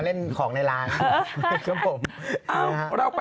กล้องอ่ะน่ากลัวอ่ะ